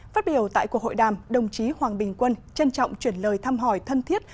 phát biểu tại cuộc hội đàm đồng chí hoàng bình quân trân trọng chuyển lời thăm hỏi thân thiết